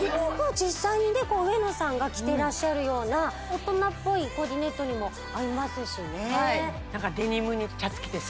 実際にね上野さんが着てらっしゃるような大人っぽいコーディネートにも合いますしね何かデニムにシャツ着てさ